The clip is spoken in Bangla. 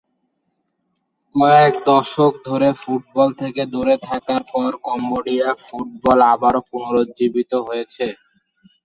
কয়েক দশক ধরে ফুটবল থেকে দূরে থাকার পর কম্বোডিয়া ফুটবল আবারো পুনরুজ্জীবিত হয়েছে।